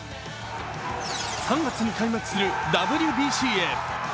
３月に開幕するＷＢＣへ。